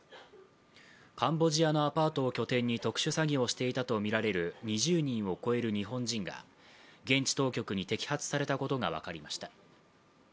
カンボジアのアパートを拠点に特殊詐欺をしていたとみられる２０人を超える日本人が、現地当局に摘発されたことが分かりました。